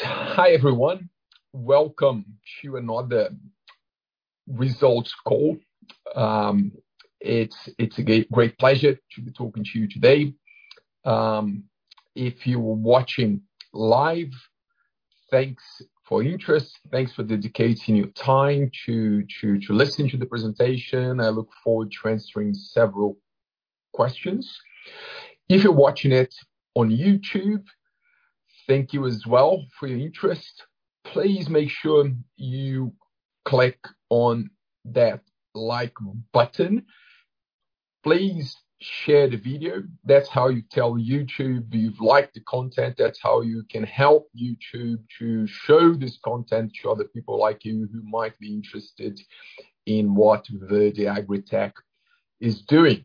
Hi, everyone. Welcome to another results call. It's a great pleasure to be talking to you today. If you're watching live, thanks for your interest. Thanks for dedicating your time to listen to the presentation. I look forward to answering several questions. If you're watching it on YouTube, thank you as well for your interest. Please make sure you click on that like button. Please share the video. That's how you tell YouTube you've liked the content. That's how you can help YouTube to show this content to other people like you who might be interested in what Verde AgriTech is doing.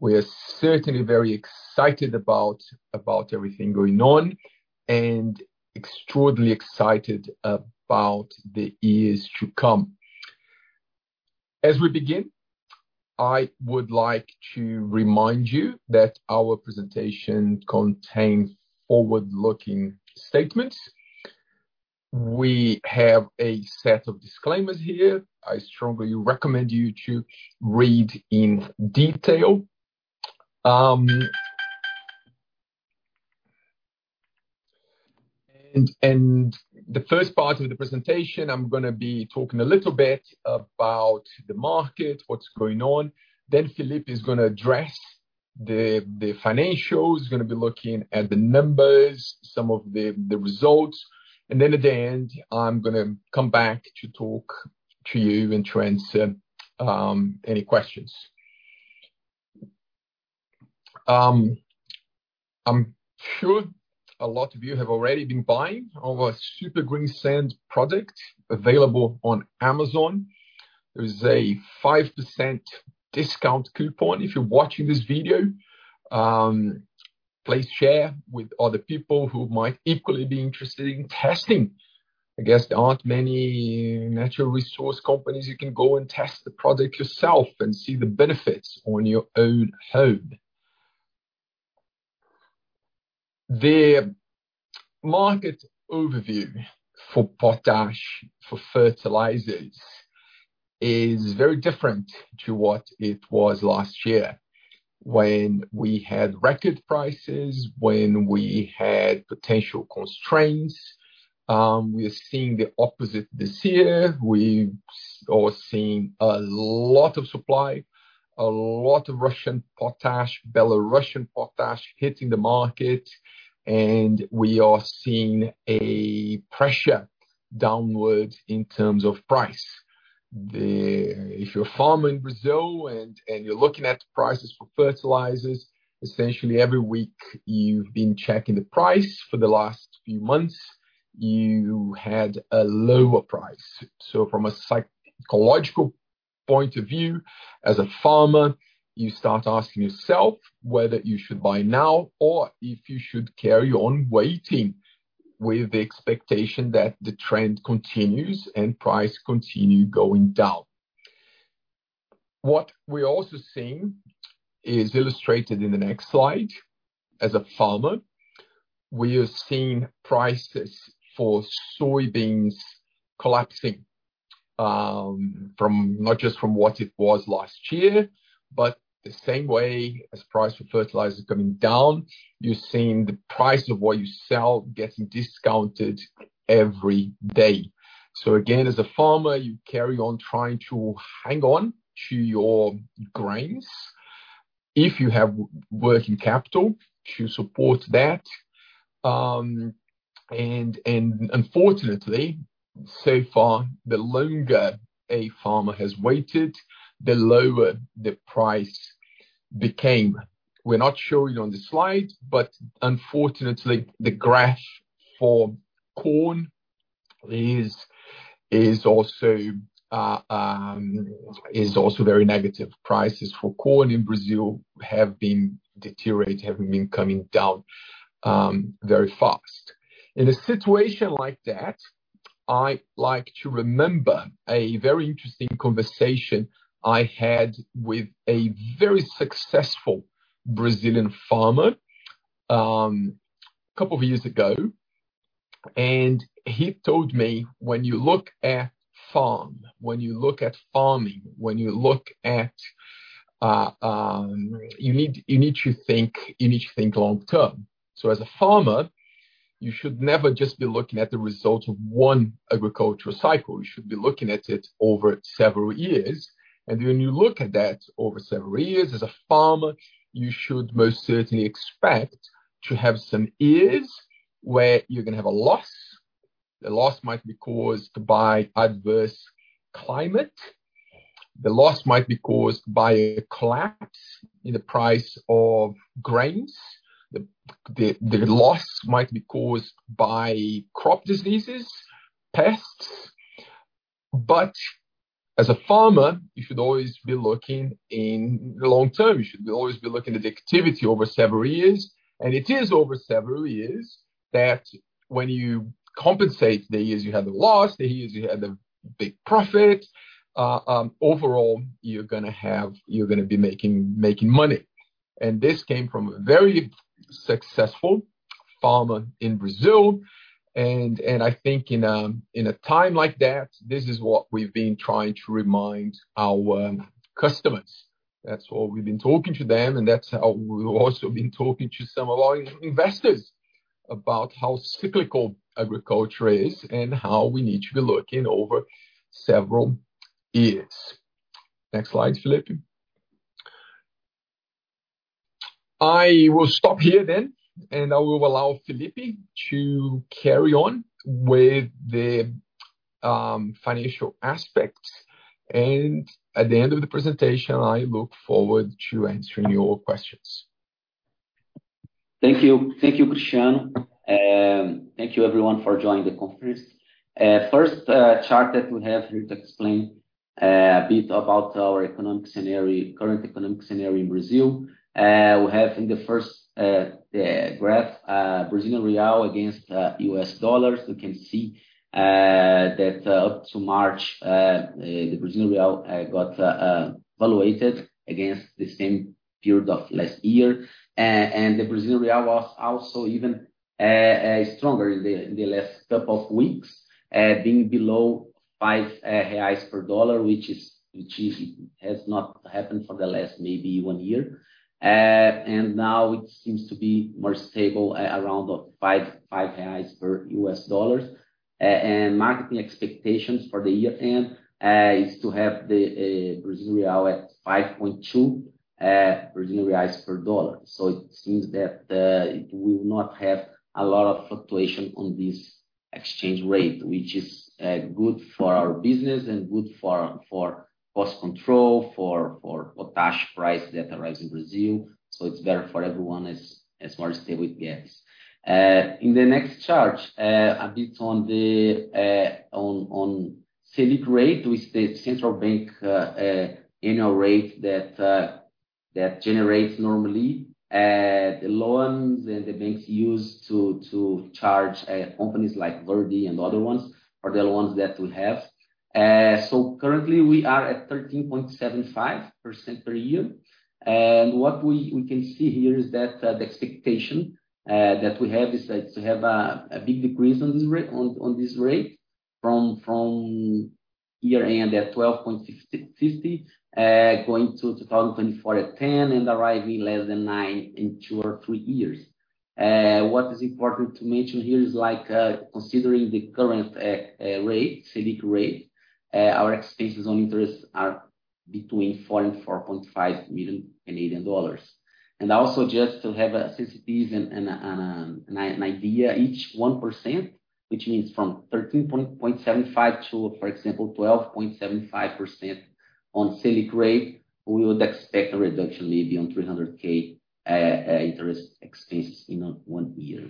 We are certainly very excited about everything going on, extraordinarily excited about the years to come. As we begin, I would like to remind you that our presentation contains forward-looking statements. We have a set of disclaimers here. I strongly recommend you to read in detail. The first part of the presentation, I'm gonna be talking a little bit about the market, what's going on. Felipe is gonna address the financials. He's gonna be looking at the numbers, some of the results. At the end, I'm gonna come back to talk to you and to answer any questions. I'm sure a lot of you have already been buying our Super Greensand product available on Amazon. There's a 5% discount coupon if you're watching this video. Please share with other people who might equally be interested in testing. I guess there aren't many natural resource companies you can go and test the product yourself and see the benefits on your own home. The market overview for potash for fertilizers is very different to what it was last year when we had record prices, when we had potential constraints. We are seeing the opposite this year. We are seeing a lot of supply, a lot of Russian potash, Belarusian potash hitting the market, and we are seeing a pressure downward in terms of price. If you're a farmer in Brazil and you're looking at prices for fertilizers, essentially every week you've been checking the price for the last few months, you had a lower price. From a psychological point of view, as a farmer, you start asking yourself whether you should buy now or if you should carry on waiting with the expectation that the trend continues and price continue going down. What we're also seeing is illustrated in the next slide. As a farmer, we are seeing prices for soybeans collapsing, not just from what it was last year, but the same way as price for fertilizer is coming down, you're seeing the price of what you sell getting discounted every day. Again, as a farmer, you carry on trying to hang on to your grains if you have working capital to support that. Unfortunately, so far, the longer a farmer has waited, the lower the price became. We're not showing on the slide, but unfortunately, the graph for corn is also very negative. Prices for corn in Brazil have been deteriorating, have been coming down, very fast. In a situation like that, I like to remember a very interesting conversation I had with a very successful Brazilian farmer, a couple of years ago. He told me, when you look at farm, when you look at farming, when you look at. You need to think long term. As a farmer, you should never just be looking at the results of one agricultural cycle. You should be looking at it over several years. When you look at that over several years, as a farmer, you should most certainly expect to have some years where you're gonna have a loss. The loss might be caused by adverse climate. The loss might be caused by a collapse in the price of grains. The loss might be caused by crop diseases, pests. As a farmer, you should always be looking in the long term. You should always be looking at the activity over several years. It is over several years that when you compensate the years you have the loss, the years you have the big profit, overall, you're gonna be making money. This came from a very successful farmer in Brazil. I think in a time like that, this is what we've been trying to remind our customers. That's all we've been talking to them, and that's how we've also been talking to some of our investors about how cyclical agriculture is and how we need to be looking over several years. Next slide, Felipe. I will stop here then, and I will allow Felipe to carry on with the financial aspects. At the end of the presentation, I look forward to answering your questions. Thank you. Thank you, Cristiano. Thank you everyone for joining the conference. First chart that we have here to explain a bit about our economic scenario, current economic scenario in Brazil. We have in the first graph Brazilian real against U.S. dollars. We can see that up to March the Brazilian real got evaluated against the same period of last year. The Brazilian real was also even stronger in the last couple of weeks being below five Reais per dollar, which is has not happened for the last maybe one year. Now it seems to be more stable at around five Reais per U.S. dollars. Market expectations for the year end is to have the Brazilian real at 5.2 Brazilian Reais per dollar. It seems that it will not have a lot of fluctuation on this exchange rate, which is good for our business and good for cost control, for potash price that arrives in Brazil. It's better for everyone as more stable it gets. In the next chart, a bit on the Selic rate with the central bank annual rate that generates normally the loans and the banks use to charge companies like Verde and other ones are the ones that we have. Currently we are at 13.75% per year. What we can see here is that the expectation that we have is that to have a big decrease on this rate from year end at 12.650, going to 2024 at 10 and arriving less than 9 in 2 or 3 years. What is important to mention here is like, considering the current rate, Selic rate, our expenses on interest are between 4 million and 4.5 million Canadian dollars. Also just to have a sensitives and an idea, each 1%, which means from 13.75% to, for example, 12.75% on Selic rate, we would expect a reduction maybe on 300 thousand interest expenses in 1 year.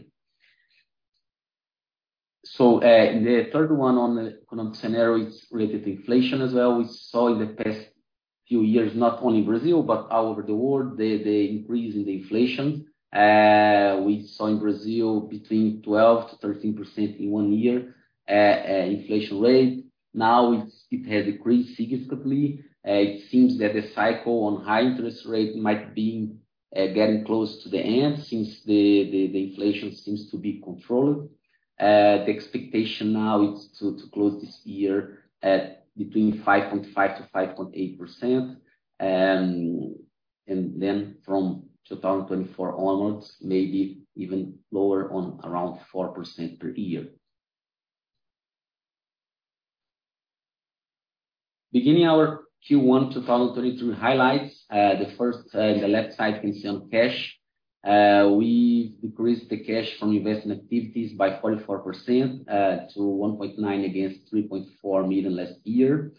The third one on the economic scenario is related to inflation as well. We saw in the past few years, not only in Brazil but all over the world, the increase in the inflation. We saw in Brazil between 12%-13% in one year, inflation rate. Now it has decreased significantly. It seems that the cycle on high interest rates might be getting close to the end since the inflation seems to be controlled. The expectation now is to close this year at between 5.5%-5.8%. From 2024 onwards, maybe even lower on around 4% per year. Beginning our Q1 2023 highlights. The first in the left side concerned cash. We decreased the cash from investment activities by 44% to 1.9 million against 3.4 million last year.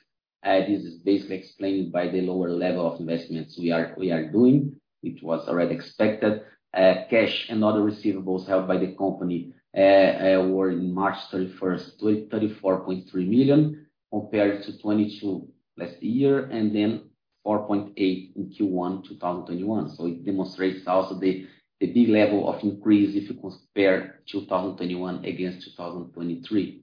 This is basically explained by the lower level of investments we are doing, which was already expected. Cash and other receivables held by the company were in March 31, 2023, 34.3 million, compared to 22 million last year and then 4.8 million in Q1 2021. It demonstrates also the big level of increase if you compare 2021 against 2023.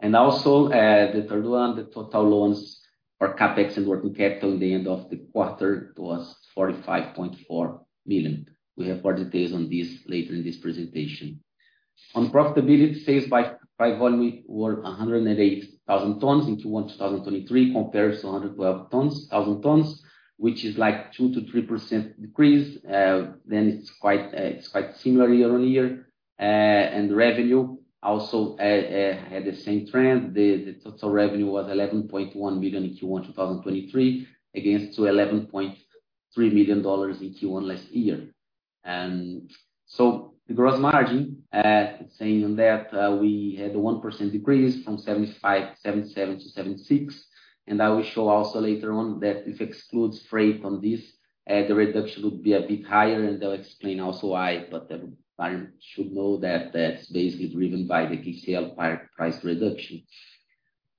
The third one, the total loans for CapEx and working capital at the end of the quarter was 45.4 million. We have more details on this later in this presentation. On profitability, sales by volume were 108,000 tons in Q1 2023 compared to 112,000 tons, which is like 2%-3% decrease. It's quite similar year-on-year. Revenue also had the same trend. The total revenue was $11.1 million in Q1 2023 against $11.3 million in Q1 last year. The gross margin, saying that, we had a 1% decrease from 75, 7.7-7.6. I will show also later on that if excludes freight on this, the reduction would be a bit higher. I'll explain also why, but the client should know that that's basically driven by the DCL price reduction.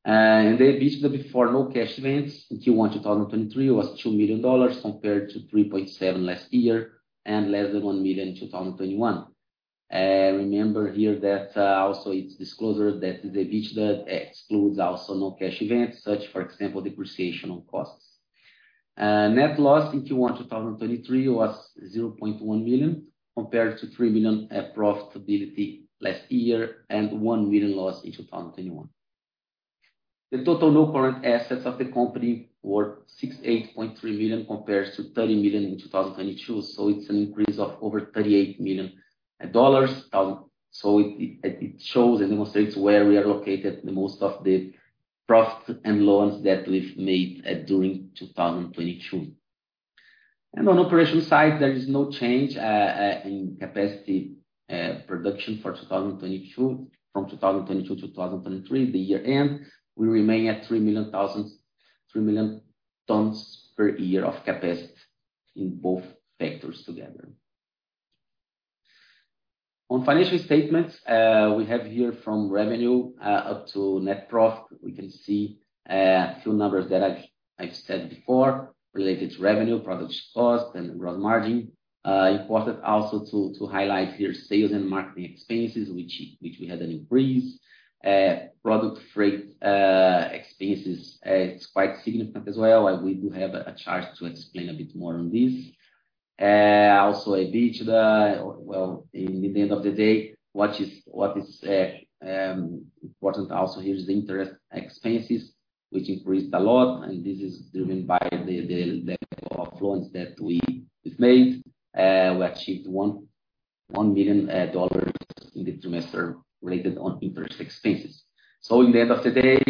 The EBITDA before no cash events in Q1 2023 was $2 million compared to $3.7 million last year and less than $1 million in 2021. Remember here that also it's disclosure that the EBITDA excludes also non-cash events such, for example, depreciation on costs. Net loss in Q1 2023 was $0.1 million, compared to $3 million profitability last year and $1 million loss in 2021. The total non-current assets of the company were $68.3 million compared to $30 million in 2022, it's an increase of over $38 million. It shows and demonstrates where we are located, the most of the profits and loans that we've made during 2022. On operation side, there is no change in capacity production for 2022. From 2022-2023, the year end, we remain at 3 million tons per year of capacity in both factors together. On financial statements, we have here from revenue up to net profit. We can see a few numbers that I've said before related to revenue, product cost and gross margin. Important also to highlight here sales and marketing expenses, which we had an increase. Product freight expenses is quite significant as well, and we do have a chart to explain a bit more on this. Also EBITDA, well, in the end of the day, what is important also here is the interest expenses, which increased a lot, and this is driven by the influence that we've made. We achieved $1 million in the trimester related on interest expenses. In the end of the day,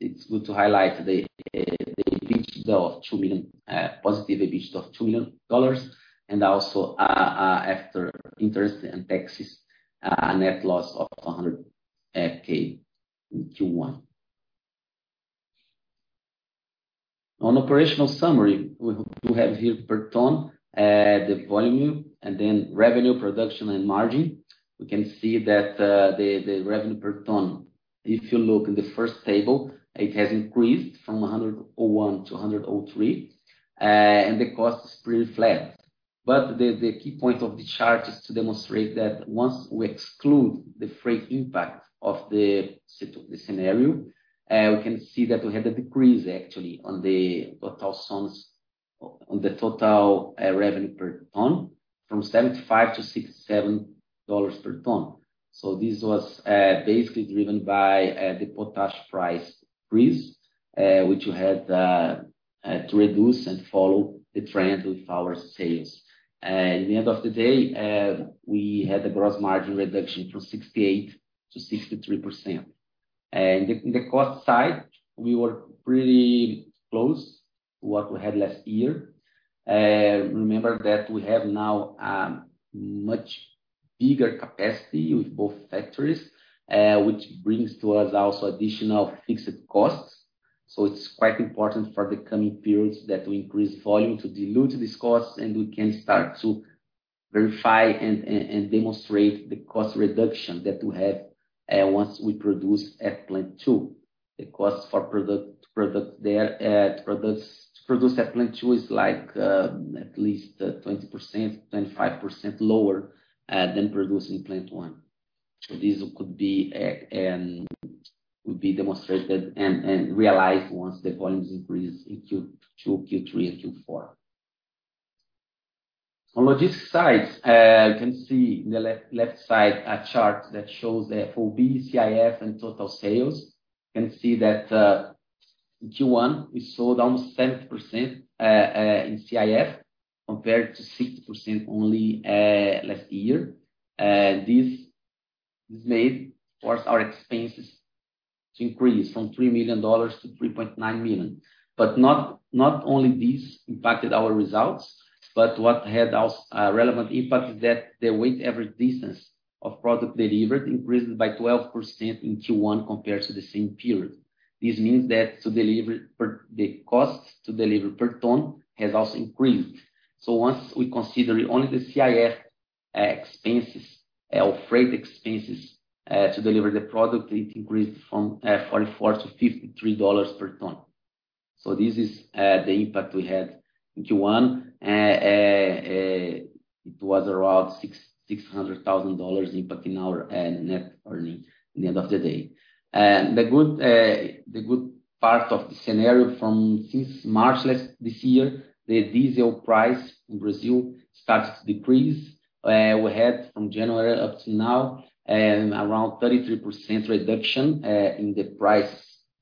it's good to highlight the EBITDA of $2 million, +EBITDA of $2 million, and also after interest and taxes, a net loss of $100K in Q1. On operational summary, we have here per ton, the volume and then revenue production and margin. We can see that the revenue per ton, if you look in the first table, it has increased from 101-103, and the cost is pretty flat. The key point of the chart is to demonstrate that once we exclude the freight impact of the scenario, we can see that we have a decrease actually on the total revenue per ton, from $75-$67 per ton. This was basically driven by the potash price increase, which we had to reduce and follow the trend with our sales. In the end of the day, we had a gross margin reduction from 68%- 63%. In the cost side, we were pretty close to what we had last year. Remember that we have now much bigger capacity with both factories, which brings to us also additional fixed costs. It's quite important for the coming periods that we increase volume to dilute this cost, and we can start to verify and demonstrate the cost reduction that we have, once we produce at plant two. The costs for product there, to produce at plant two is like, at least 20%, 25% lower than producing plant one. This could be, will be demonstrated and realized once the volumes increase in Q2, Q3, and Q4. On logistics side, you can see in the left side a chart that shows the FOB, CIF, and total sales. You can see that Q1, we saw down 70% in CIF compared to 60% only last year. This has made, of course, our expenses to increase from 3 million-3.9 million dollars. Not only this impacted our results, but what had a relevant impact is that the weight average distance of product delivered increased by 12% in Q1 compared to the same period. This means that the cost to deliver per ton has also increased. Once we consider only the CIF expenses or freight expenses to deliver the product, it increased from 44-53 dollars per ton. This is the impact we had in Q1. It was around 600,000 dollars impact in our net earning in the end of the day. This year, the diesel price in Brazil starts to decrease. We had from January up to now, around 33% reduction in the price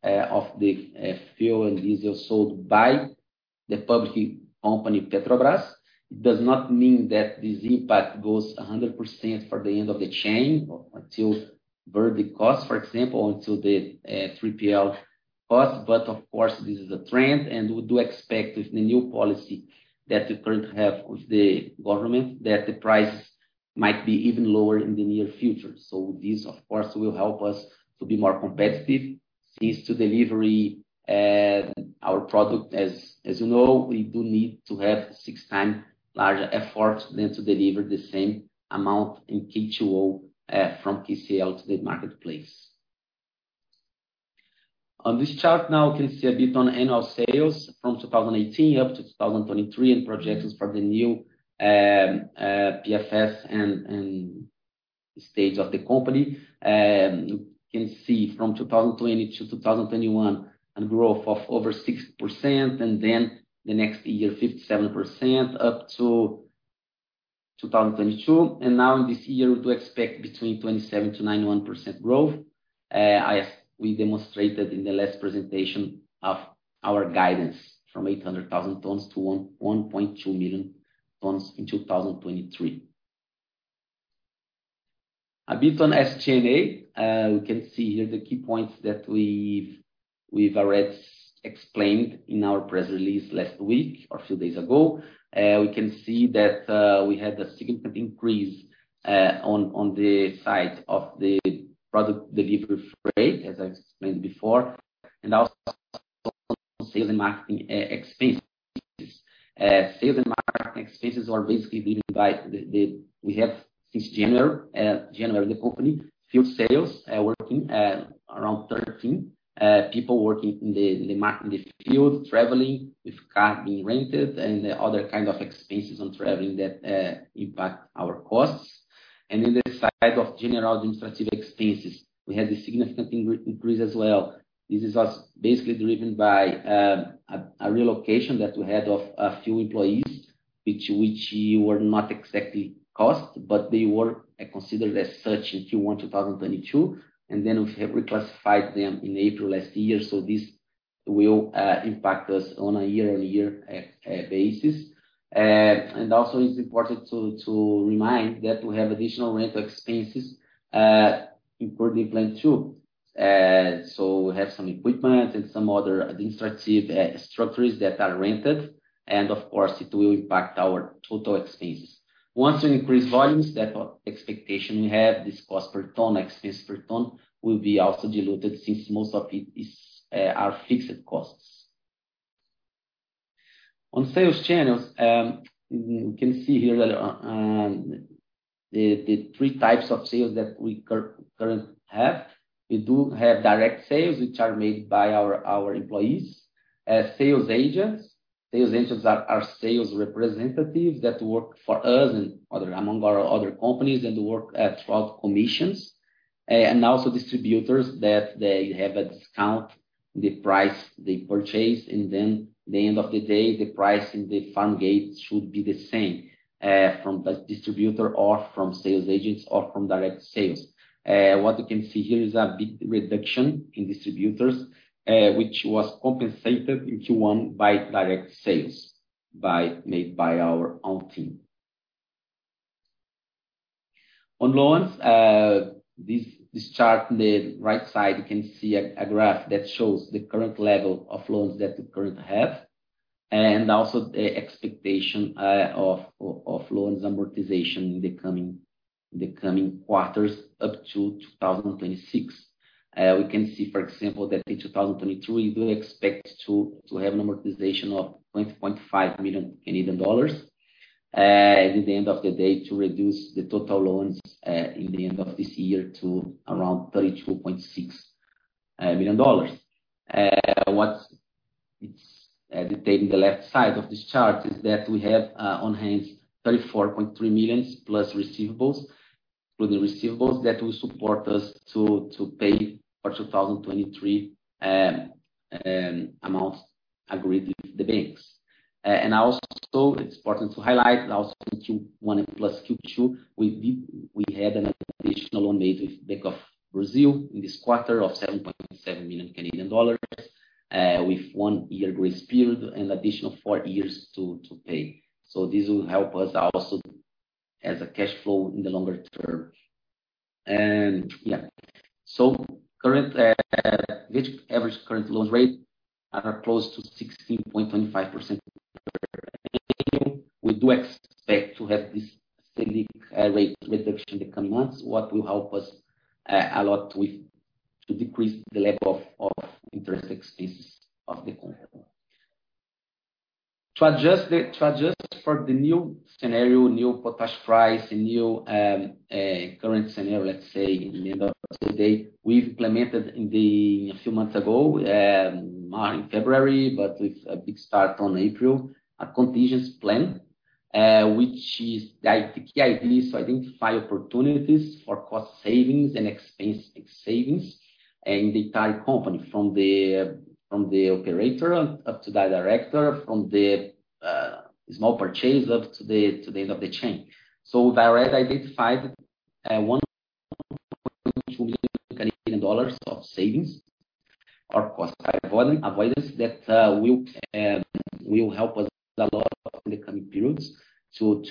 of the fuel and diesel sold by the public company, Petrobras. It does not mean that this impact goes 100% for the end of the chain until very big cost, for example, until the 3PL cost. Of course, this is a trend, and we do expect with the new policy that we currently have with the government that the price might be even lower in the near future. This of course, will help us to be more competitive since to delivery our product. As you know, we do need to have 6x larger efforts than to deliver the same amount in K₂O, from KCl to the marketplace. On this chart now you can see a bit on annual sales from 2018 up to 2023, and projections for the new PFS and stage of the company. You can see from 2020 to 2021, a growth of over 60%, and then the next year, 57% up to 2022. Now in this year, we do expect between 27%-91% growth, as we demonstrated in the last presentation of our guidance from 800,000 tons to 1.2 million tons in 2023. A bit on SG&A. We can see here the key points that we've already explained in our press release last week or a few days ago. We can see that we had a significant increase on the side of the product delivery freight, as I explained before, and also sales and marketing expenses. Sales and marketing expenses are basically driven by the, we have since January of the company, field sales working around 13 people working in the field, traveling with car being rented and other kind of expenses on traveling that impact our costs. In the side of general administrative expenses, we had a significant increase as well. This is also basically driven by a relocation that we had of a few employees, which were not exactly costs, but they were considered as such in Q1 2022, and then we have reclassified them in April last year. This will impact us on a year-on-year basis. It's important to remind that we have additional rental expenses in Porto de Depósito too. We have some equipment and some other administrative structures that are rented, and of course it will impact our total expenses. Once we increase volumes, that expectation we have, this cost per ton, expense per ton will be also diluted since most of it is are fixed costs. On sales channels, you can see here that the three types of sales that we currently have. We do have direct sales which are made by our employees. Sales agents. Sales agents are sales representatives that work for us and other among our other companies and work throughout commissions. Also distributors that they have a discount, the price they purchase and then the end of the day, the price in the farm gate should be the same from the distributor or from sales agents or from direct sales. What you can see here is a big reduction in distributors, which was compensated in Q1 by direct sales made by our own team. On loans, this chart on the right side, you can see a graph that shows the current level of loans that we currently have, and also the expectation of loans amortization in the coming quarters up to 2026. We can see, for example, that in 2023, we do expect to have an amortization of 20.5 million Canadian dollars. At the end of the day to reduce the total loans in the end of this year to around 32.6 million dollars. What it's detailing the left side of this chart is that we have on hand 34.3 million plus receivables. With the receivables, that will support us to pay for 2023 amounts agreed with the banks. Also it's important to highlight also Q1 + Q2, we had an additional loan made with Banco do Brasil in this quarter of 7.7 million Canadian dollars, with one year grace period and additional four years to pay. This will help us also as a cash flow in the longer term. Yeah. Current, this average current loan rate are close to 16.25% per annum. We do expect to have this steady rate reduction in the coming months, what will help us a lot to decrease the level of interest expenses of the company. To adjust for the new scenario, new potash price and new current scenario, let's say in the end of the day, we've implemented a few months ago in February, but with a big start on April, a contingency plan, which is the key idea is to identify opportunities for cost savings and expense savings in the entire company. From the operator up to the director, from the small purchase up to the end of the chain. We've already identified 1 Canadian dollars of savings or cost avoidance that will help us a lot in the coming periods to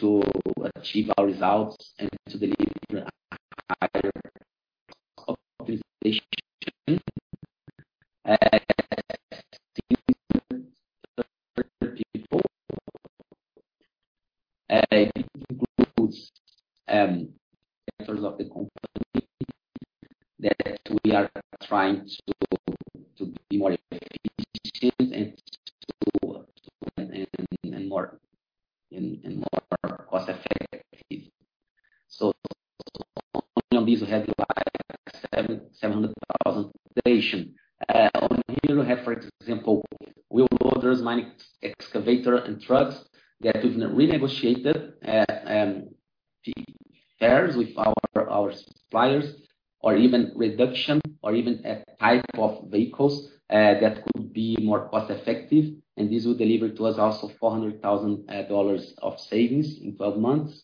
achieve our results and to deliver a higher optimization to different people. It includes, factors of the company that we are trying to be more efficient and. More cost effective. This will have, like, 700,000 On here we have, for example, we orders mining excavator and trucks that we've renegotiated the fares with our suppliers or even reduction or even a type of vehicles that could be more cost effective. This will deliver to us also $400,000 of savings in 12 months.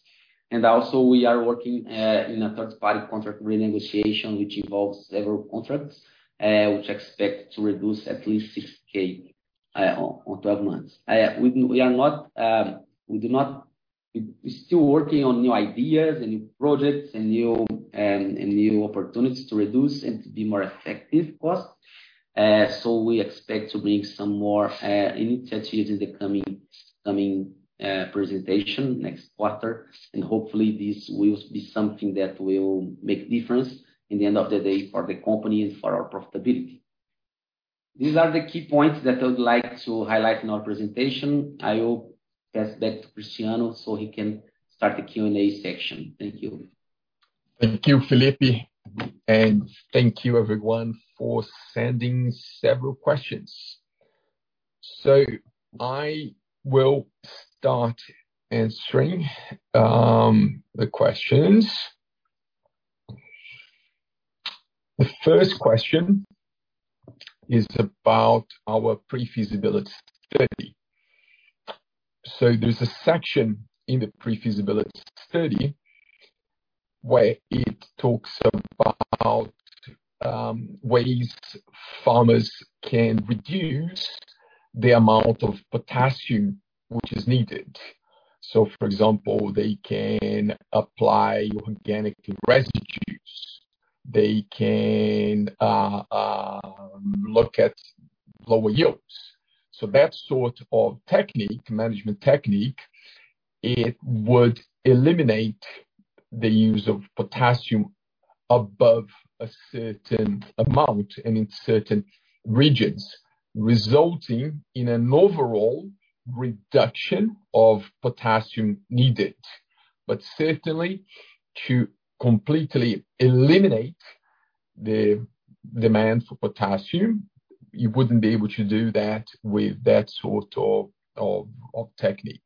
Also we are working in a third-party contract renegotiation, which involves several contracts, which expect to reduce at least $6K on 12 months. We are not, we're still working on new ideas and new projects and new and new opportunities to reduce and to be more effective cost. We expect to bring some more initiatives in the coming presentation next quarter. Hopefully this will be something that will make a difference in the end of the day for the company and for our profitability. These are the key points that I would like to highlight in our presentation. I will pass back to Cristiano so he can start the Q&A section. Thank you. Thank you, Felipe. Thank you everyone for sending several questions. I will start answering the questions. The first question is about our pre-feasibility study. There's a section in the pre-feasibility study where it talks about ways farmers can reduce the amount of potassium which is needed. For example, they can apply organic residues. They can look at lower yields. That sort of technique, management technique, it would eliminate the use of potassium above a certain amount and in certain regions, resulting in an overall reduction of potassium needed. Certainly to completely eliminate the demand for potassium, you wouldn't be able to do that with that sort of technique.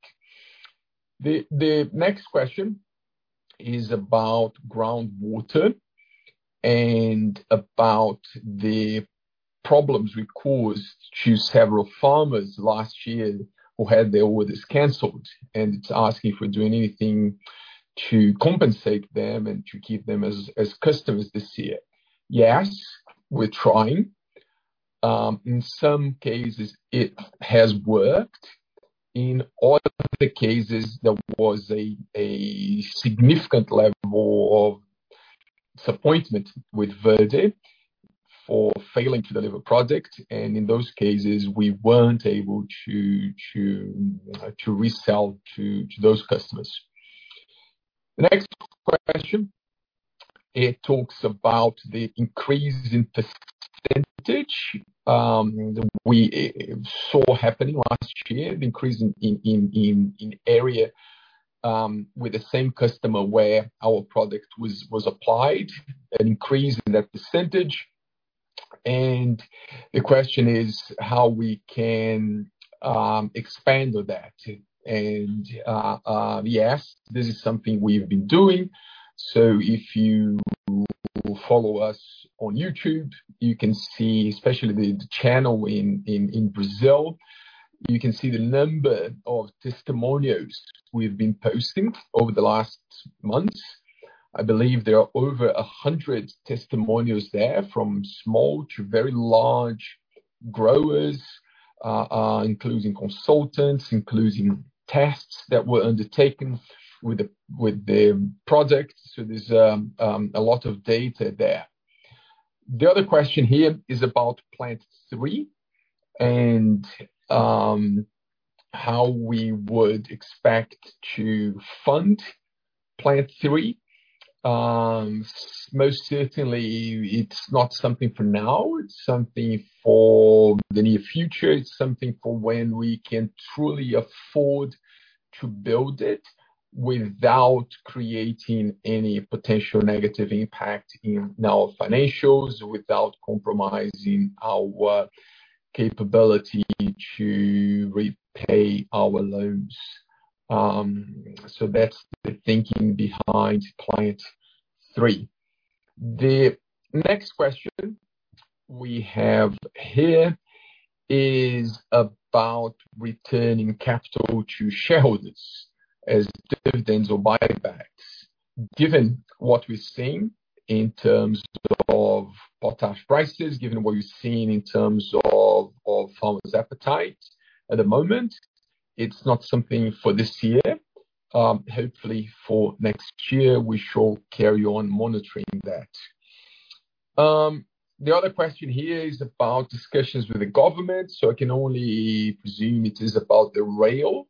The next question is about groundwater and about the problems we caused to several farmers last year who had their orders canceled. It's asking if we're doing anything to compensate them and to keep them as customers this year. Yes, we're trying. In some cases it has worked. In other of the cases there was a significant level of disappointment with Verde for failing to deliver product. In those cases we weren't able to resell to those customers. The next question, it talks about the increase in percentage that we saw happening last year, the increase in area with the same customer where our product was applied, an increase in that percentage. The question is how we can expand on that. Yes, this is something we've been doing. If you follow us on YouTube, you can see especially the channel in Brazil, you can see the number of testimonials we've been posting over the last months. I believe there are over 100 testimonials there, from small to very large growers, including consultants, including tests that were undertaken with the product. There's a lot of data there. The other question here is about Plant 3 and how we would expect to fund Plant 3. Most certainly it's not something for now, it's something for the near future. It's something for when we can truly afford to build it without creating any potential negative impact in our financials, without compromising our capability to repay our loans. That's the thinking behind Plant 3. The next question we have here is about returning capital to shareholders as dividends or buybacks. Given what we're seeing in terms of potash prices, given what we're seeing in terms of farmers' appetite at the moment, it's not something for this year. Hopefully for next year we shall carry on monitoring that. The other question here is about discussions with the government, so I can only presume it is about the rail.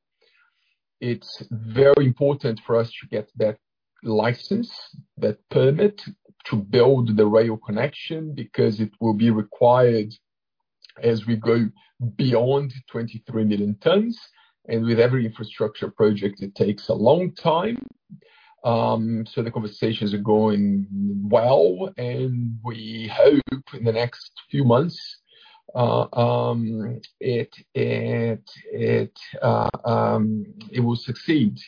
It's very important for us to get that license, that permit to build the rail connection because it will be required as we go beyond 23 million tons. With every infrastructure project, it takes a long time. The conversations are going well, and we hope in the next few months, it will succeed.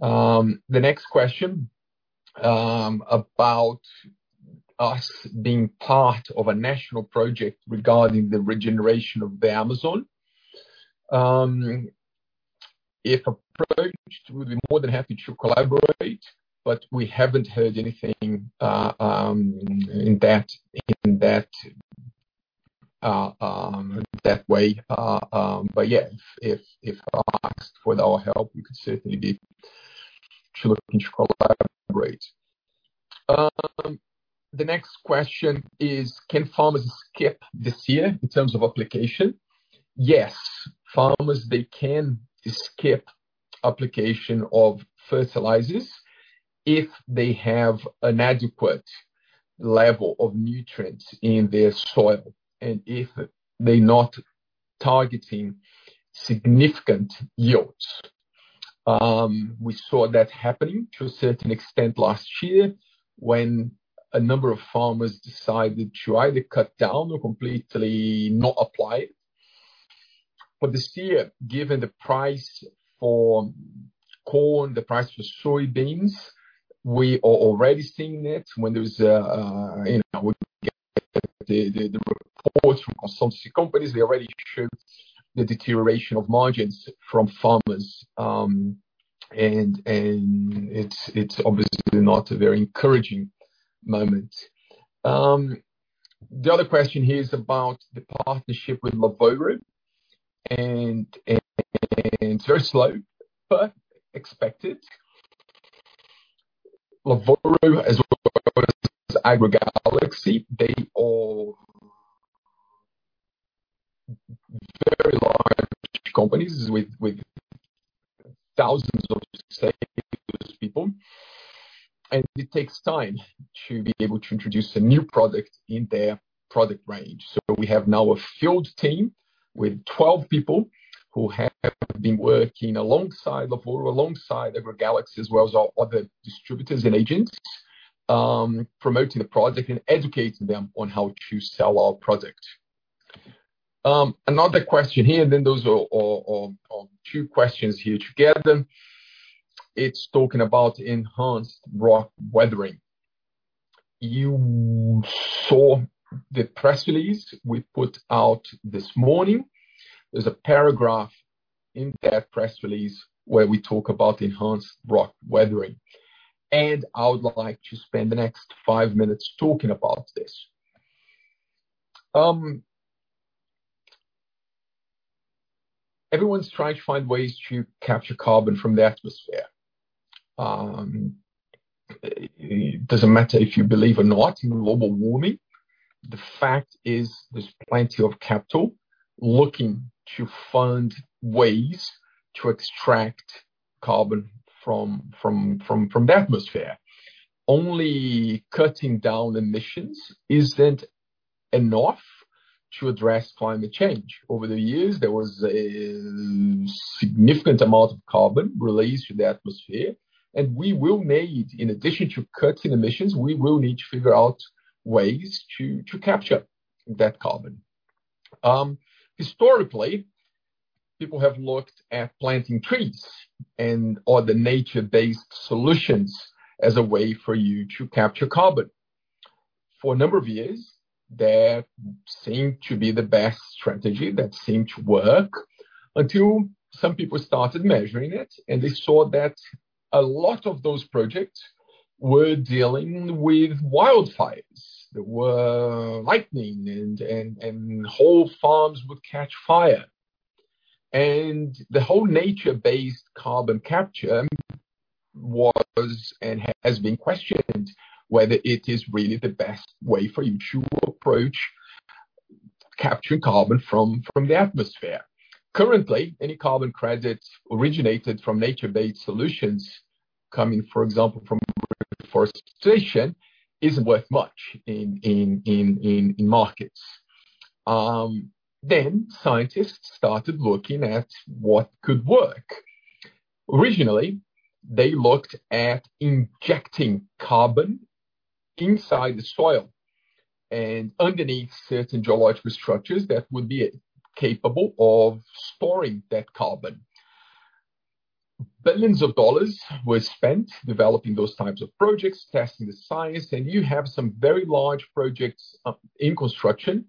The next question about us being part of a national project regarding the regeneration of the Amazon. If approached, we'll be more than happy to collaborate, but we haven't heard anything in that way. Yeah, if asked for our help, we could certainly be looking to collaborate. The next question is, can farmers skip this year in terms of application? Yes. Farmers, they can skip application of fertilizers if they have an adequate level of nutrients in their soil and if they're not targeting significant yields. We saw that happening to a certain extent last year when a number of farmers decided to either cut down or completely not apply it. For this year, given the price for corn, the price for soybeans, we are already seeing it when there is, you know, the reports from consultancy companies, they already showed the deterioration of margins from farmers. It's obviously not a very encouraging moment. The other question here is about the partnership with Lavoro, and it's very slow, but expected. Lavoro as well as AgroGalaxy, very large companies with thousands of sales people, and it takes time to be able to introduce a new product in their product range. We have now a field team with 12 people who have been working alongside Lavoro, alongside AgroGalaxy, as well as our other distributors and agents, promoting the product and educating them on how to sell our product. Another question here, and then those are two questions here together. It's talking about enhanced rock weathering. You saw the press release we put out this morning. There's a paragraph in that press release where we talk about enhanced rock weathering, and I would like to spend the next five minutes talking about this. Everyone's trying to find ways to capture carbon from the atmosphere. Doesn't matter if you believe or not in global warming. The fact is there's plenty of capital looking to fund ways to extract carbon from the atmosphere. Only cutting down emissions isn't enough to address climate change. Over the years, there was a significant amount of carbon released to the atmosphere, and we will need, in addition to cutting emissions, we will need to figure out ways to capture that carbon. Historically, people have looked at planting trees and other nature-based solutions as a way for you to capture carbon. For a number of years, that seemed to be the best strategy, that seemed to work, until some people started measuring it, and they saw that a lot of those projects were dealing with wildfires. There were lightning and whole farms would catch fire. The whole nature-based carbon capture was and has been questioned whether it is really the best way for you to approach capturing carbon from the atmosphere. Currently, any carbon credits originated from nature-based solutions coming, for example, from reforestation isn't worth much in markets. Scientists started looking at what could work. Originally, they looked at injecting carbon inside the soil and underneath certain geological structures that would be capable of storing that carbon. Billions of dollars were spent developing those types of projects, testing the science. You have some very large projects in construction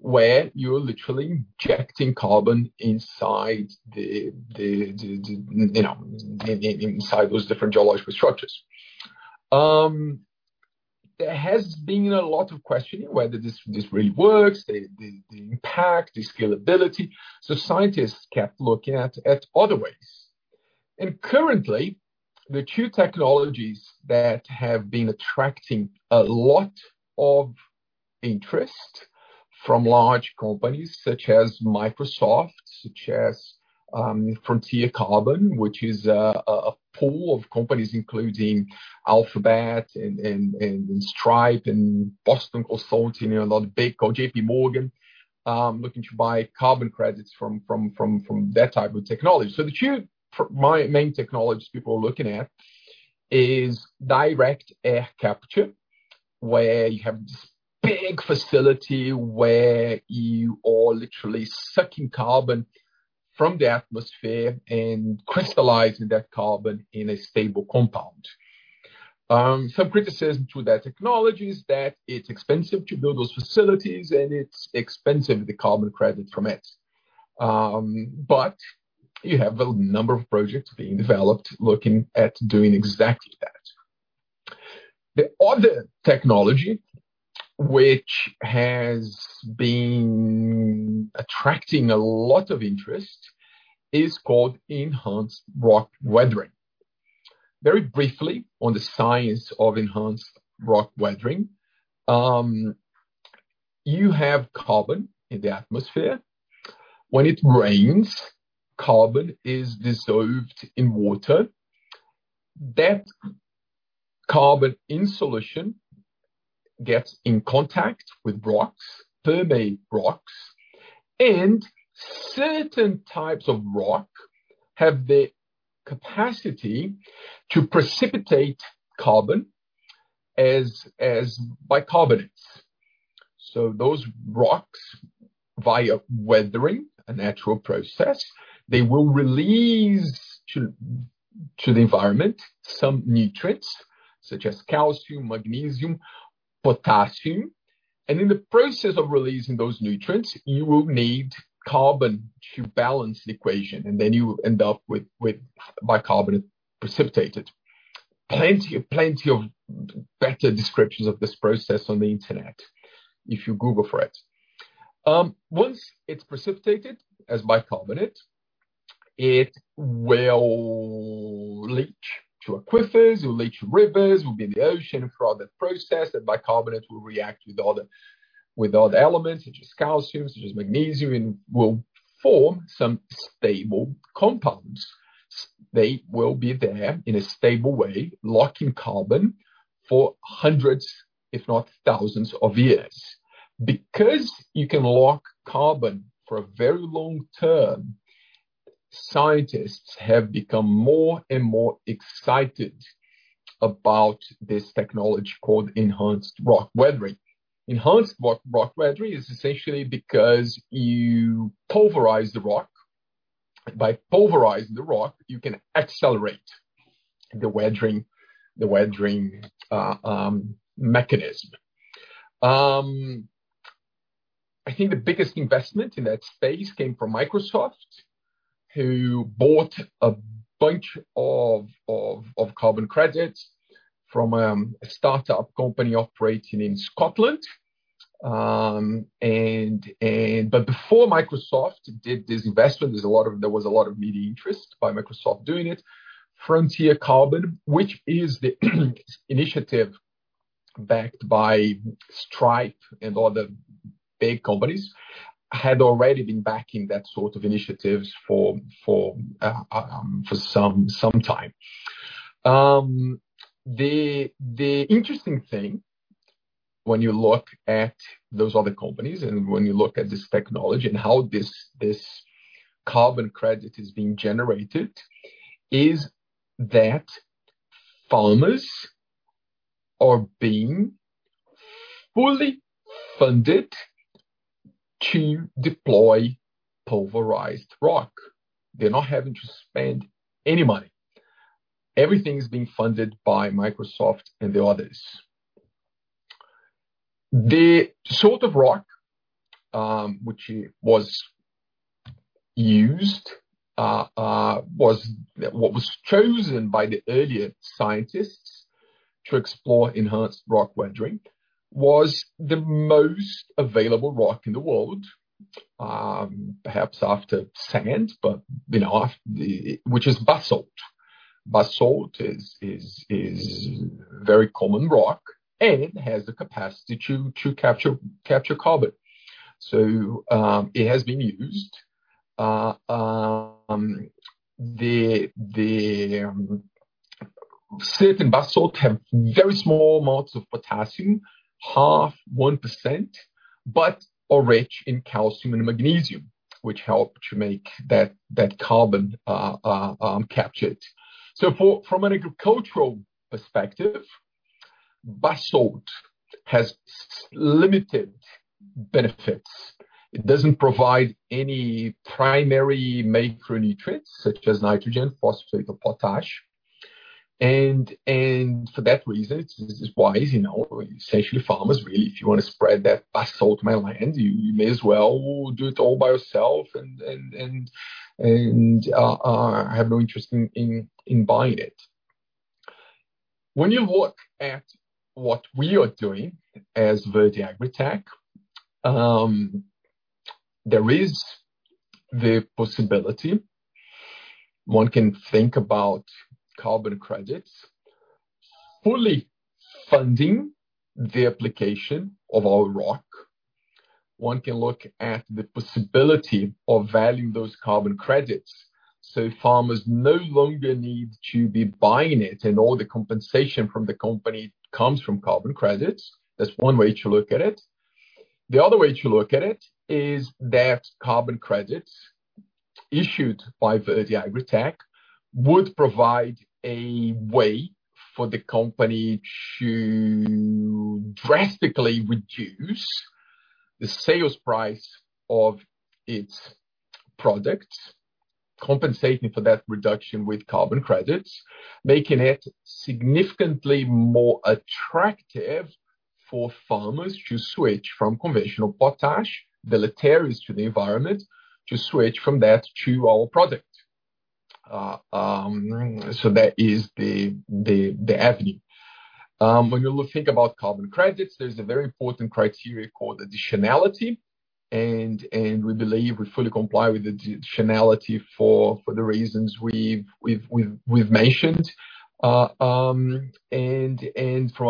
where you're literally injecting carbon inside the, you know, inside those different geological structures. There has been a lot of questioning whether this really works, the impact, the scalability. Scientists kept looking at other ways. Currently, the two technologies that have been attracting a lot of interest from large companies such as Microsoft, such as Frontier Carbon, which is a pool of companies including Alphabet and Stripe and Boston Consulting, a lot of big JPMorgan, looking to buy carbon credits from that type of technology. The two main technologies people are looking at is direct air capture, where you have this big facility where you are literally sucking carbon from the atmosphere and crystallizing that carbon in a stable compound. Some criticism to that technology is that it's expensive to build those facilities and it's expensive, the carbon credit from it. You have a number of projects being developed looking at doing exactly that. The other technology which has been attracting a lot of interest is called enhanced rock weathering. Very briefly on the science of enhanced rock weathering. You have carbon in the atmosphere. When it rains, carbon is dissolved in water. That carbon in solution gets in contact with rocks, permeate rocks, and certain types of rock have the capacity to precipitate carbon as bicarbonates. Those rocks via weathering, a natural process, they will release to the environment some nutrients such as calcium, magnesium, potassium. In the process of releasing those nutrients, you will need carbon to balance the equation, and then you end up with bicarbonate precipitated. Plenty of better descriptions of this process on the internet if you Google for it. Once it's precipitated as bicarbonate, it will leach to aquifers, it'll leach rivers, will be in the ocean. Throughout that process, that bicarbonate will react with other elements, such as calcium, such as magnesium, and will form some stable compounds. They will be there in a stable way, locking carbon for hundreds, if not thousands of years. You can lock carbon for a very long term, scientists have become more and more excited about this technology called enhanced rock weathering. Enhanced rock weathering is essentially because you pulverize the rock. By pulverizing the rock, you can accelerate the weathering mechanism. I think the biggest investment in that space came from Microsoft, who bought a bunch of carbon credits from a startup company operating in Scotland. And before Microsoft did this investment, there was a lot of media interest by Microsoft doing it. Frontier Carbon, which is the initiative backed by Stripe and other big companies, had already been backing that sort of initiatives for some time. The interesting thing when you look at those other companies and when you look at this technology and how this carbon credit is being generated, is that farmers are being fully funded to deploy pulverized rock. They're not having to spend any money. Everything is being funded by Microsoft and the others. The sort of rock, which was used, what was chosen by the earlier scientists to explore enhanced rock weathering was the most available rock in the world, perhaps after sand, you know, which is basalt. Basalt is very common rock and has the capacity to capture carbon. It has been used. The certain basalt have very small amounts of potassium, half 1%, but are rich in calcium and magnesium, which help to make that carbon captured. From an agricultural perspective, basalt has limited benefits. It doesn't provide any primary macronutrients such as nitrogen, phosphate or potash. For that reason is why, you know, essentially farmers really, if you want to spread that basalt in my land, you may as well do it all by yourself and I have no interest in buying it. When you look at what we are doing as Verde AgriTech, there is the possibility one can think about carbon credits. Fully funding the application of our rock, one can look at the possibility of valuing those carbon credits, so farmers no longer need to be buying it and all the compensation from the company comes from carbon credits. That's one way to look at it. The other way to look at it is that carbon credits issued by Verde AgriTech would provide a way for the company to drastically reduce the sales price of its products, compensating for that reduction with carbon credits, making it significantly more attractive for farmers to switch from conventional potash deleterious to the environment, to switch from that to our product. That is the avenue. When you think about carbon credits, there's a very important criteria called additionality. We believe we fully comply with additionality for the reasons we've mentioned. From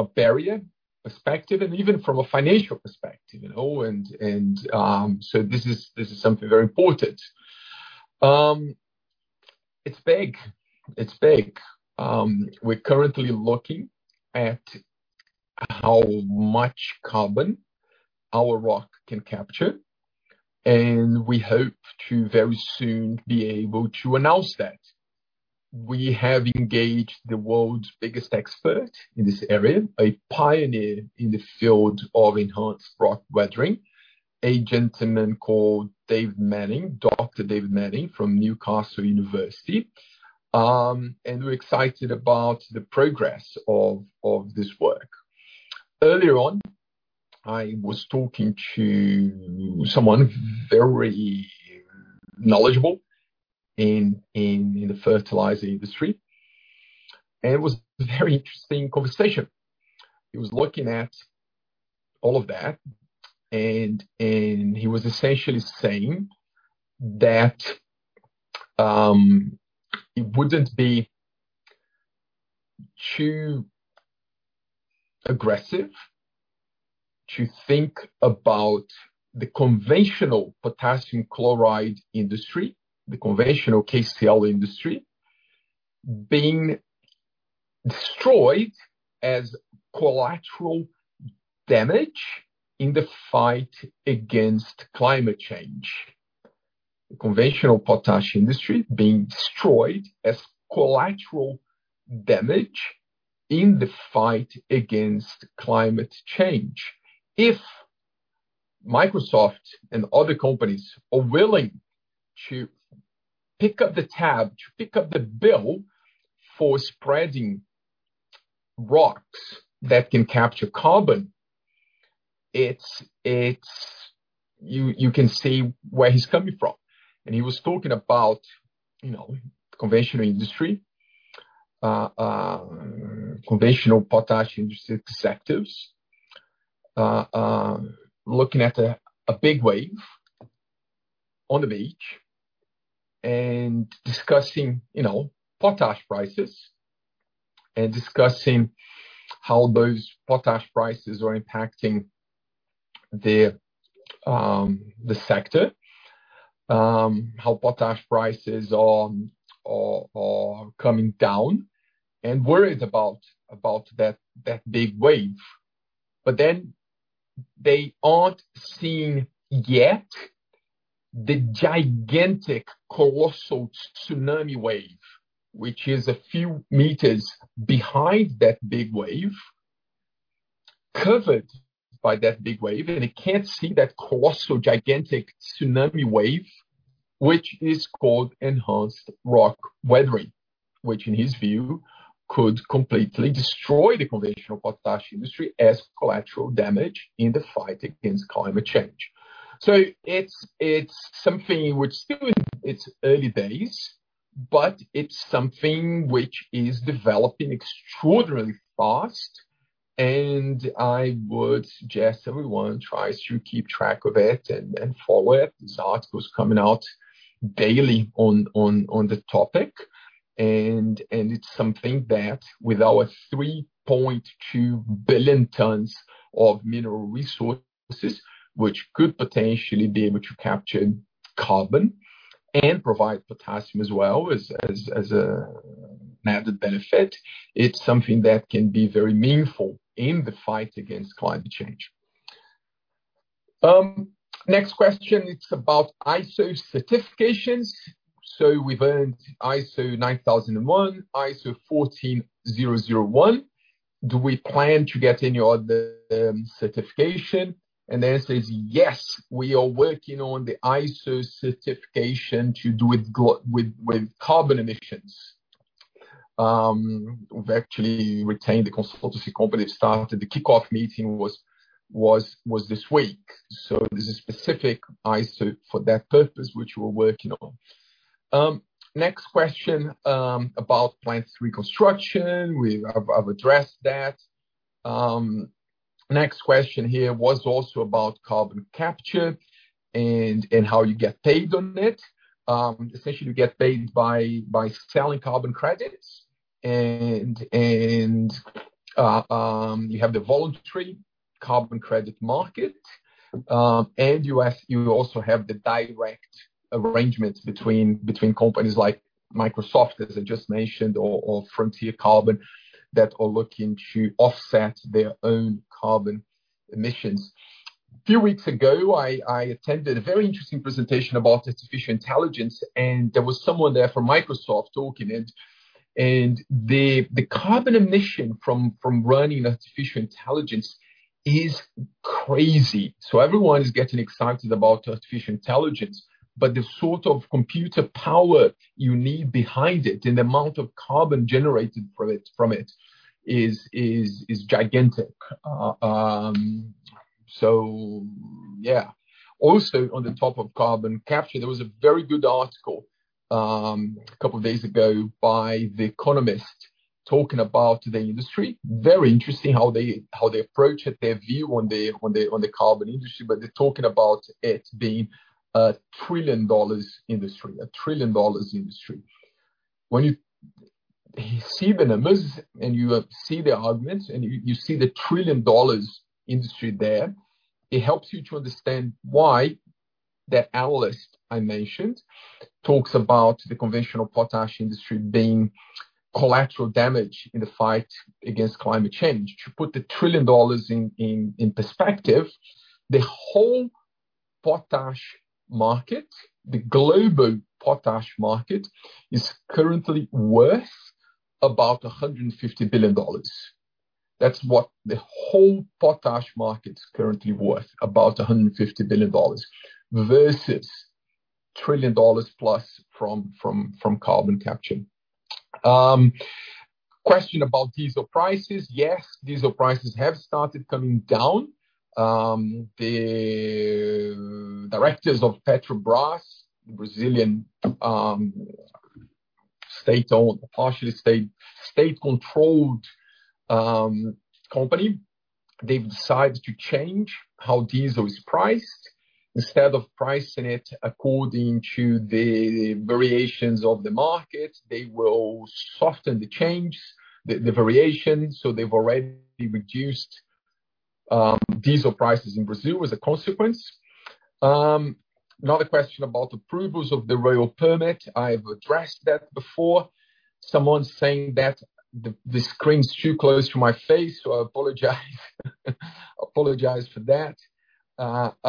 a barrier perspective and even from a financial perspective, you know, this is something very important. It's big. It's big. We're currently looking at how much carbon our rock can capture, and we hope to very soon be able to announce that. We have engaged the world's biggest expert in this area, a pioneer in the field of enhanced rock weathering. A gentleman called David Manning, Dr. David Manning from Newcastle University. We're excited about the progress of this work. Earlier on, I was talking to someone very knowledgeable in the fertilizer industry, and it was a very interesting conversation. He was looking at all of that and he was essentially saying that it wouldn't be too aggressive to think about the conventional potassium chloride industry, the conventional KCl industry, being destroyed as collateral damage in the fight against climate change. The conventional potash industry being destroyed as collateral damage in the fight against climate change. If Microsoft and other companies are willing to pick up the tab, to pick up the bill for spreading rocks that can capture carbon, You can see where he's coming from. He was talking about, you know, conventional industry conventional potash industry executives looking at a big wave on the beach and discussing, you know, potash prices and discussing how those potash prices are impacting the sector, how potash prices are coming down and worried about that big wave. They aren't seeing yet the gigantic, colossal tsunami wave, which is a few meters behind that big wave, covered by that big wave, and they can't see that colossal, gigantic tsunami wave, which is called enhanced rock weathering, which in his view could completely destroy the conventional potash industry as collateral damage in the fight against climate change. It's something which still is in its early days, but it's something which is developing extraordinarily fast. I would suggest everyone tries to keep track of it and follow it. There's articles coming out daily on the topic. It's something that with our 3.2 billion tons of mineral resources, which could potentially be able to capture carbon and provide potassium as well as a added benefit, it's something that can be very meaningful in the fight against climate change. Next question, it's about ISO certifications. We've earned ISO 9001, ISO 14001. Do we plan to get any other certification? The answer is yes, we are working on the ISO certification to do with carbon emissions. We've actually retained the consultancy company. The kickoff meeting was this week. This is specific ISO for that purpose, which we're working on. Next question about plant reconstruction. I've addressed that. Next question here was also about carbon capture and how you get paid on it. Essentially you get paid by selling carbon credits, and you have the voluntary carbon credit market. You also have the direct arrangements between companies like Microsoft, as I just mentioned, or Frontier that are looking to offset their own carbon emissions. Few weeks ago, I attended a very interesting presentation about artificial intelligence, and there was someone there from Microsoft talking. The carbon emission from running artificial intelligence is crazy. Everyone is getting excited about artificial intelligence, but the sort of computer power you need behind it and the amount of carbon generated from it is gigantic. Yeah. Also on the top of carbon capture, there was a very good article, a couple of days ago by The Economist talking about the industry. Very interesting how they approach it, their view on the carbon industry, but they're talking about it being a trillion-dollars industry. A trillion-dollars industry. When you see the numbers and you see the arguments and you see the trillion dollars industry there, it helps you to understand why the analyst I mentioned talks about the conventional potash industry being collateral damage in the fight against climate change. To put the $1 trillion in perspective, the whole potash market, the global potash market, is currently worth about $150 billion. That's what the whole potash market's currently worth, about $150 billion versus $1 trillion plus from carbon capture. Question about diesel prices. Yes, diesel prices have started coming down. The directors of Petrobras, Brazilian, state-owned, partially state-controlled company, they've decided to change how diesel is priced. Instead of pricing it according to the variations of the market, they will soften the change, the variation. They've already reduced diesel prices in Brazil as a consequence. Another question about approvals of the royal permit. I've addressed that before. Someone's saying that the screen's too close to my face, so I apologize. Apologize for that. What %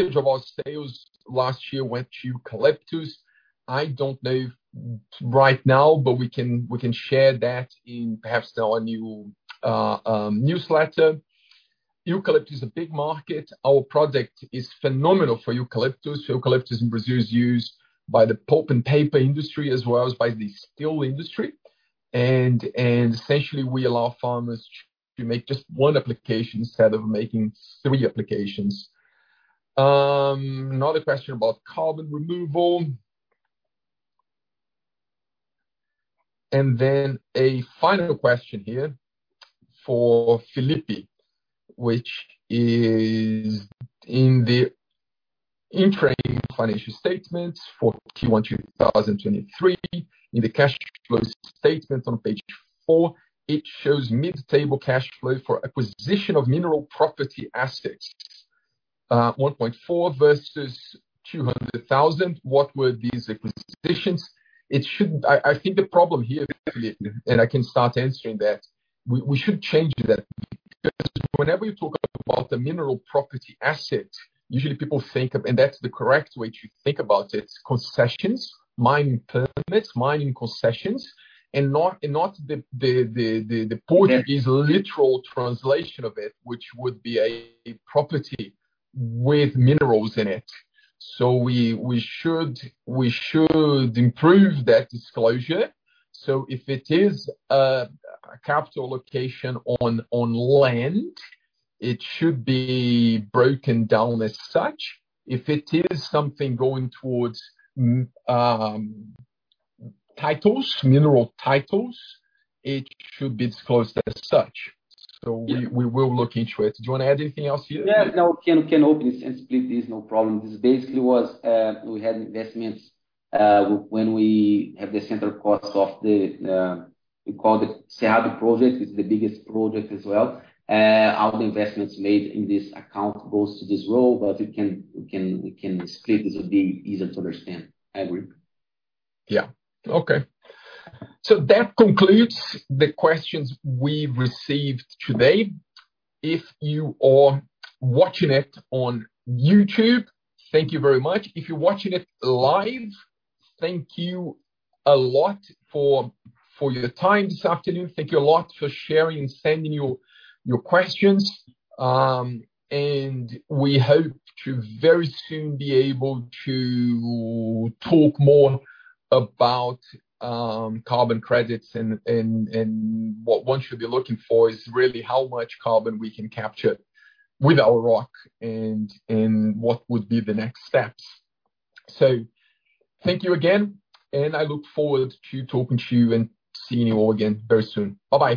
of our sales last year went to eucalyptus? I don't know right now, but we can share that in perhaps our new newsletter. Eucalyptus is a big market. Our product is phenomenal for eucalyptus. Eucalyptus in Brazil is used by the pulp and paper industry as well as by the steel industry and essentially we allow farmers to make just one application instead of making three applications. Another question about carbon removal. A final question here for Felipe, which is in the interim financial statements for T one 2023. In the cash flow statement on page four, it shows mid-table cash flow for acquisition of mineral property assets, 1.4 versus 200,000. What were these acquisitions? I think the problem here, Felipe, I can start answering that, we should change that. Whenever you talk about the mineral property asset, usually people think of... That's the correct way to think about it, concessions, mining permits, mining concessions, not the Portuguese literal translation of it, which would be a property with minerals in it. We should improve that disclosure. If it is a capital location on land, it should be broken down as such. If it is something going towards titles, mineral titles, it should be disclosed as such. We will look into it. Do you wanna add anything else here? Yeah. No. Can open and split this, no problem. This basically was, we had investments, when we have the central cost of the, we call the Cerrado Verde project. It's the biggest project as well. All the investments made in this account goes to this role. We can split this. It'll be easier to understand. I agree. Yeah. Okay. That concludes the questions we've received today. If you are watching it on YouTube, thank you very much. If you're watching it live, thank you a lot for your time this afternoon. Thank you a lot for sharing, sending your questions. We hope to very soon be able to talk more about carbon credits and what one should be looking for is really how much carbon we can capture with our rock and what would be the next steps. Thank you again, and I look forward to talking to you and seeing you all again very soon. Bye-bye.